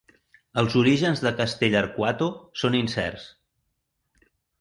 Els orígens de Castell'Arquato són incerts.